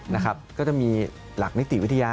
นะครับก็จะมีหลักนิติวิทยา